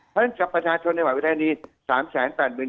เพราะฉะนั้นกับประชาชนในหวัดวิทยาลัยนี้